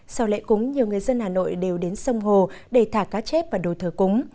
sau lễ cúng nhiều người dân hà nội đều đến sông hồ để thả cá chép và đồ thờ cúng